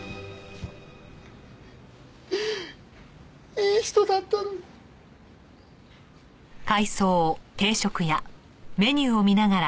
いい人だったのに。